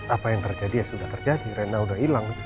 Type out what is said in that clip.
apa yang terjadi ya sudah terjadi rena sudah hilang